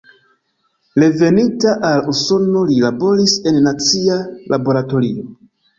Reveninta al Usono li laboris en nacia laboratorio.